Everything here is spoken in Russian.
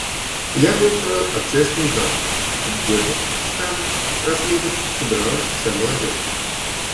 Я бы устроил общественный зал, где бы, скажем, раз в месяц собиралась вся молодежь.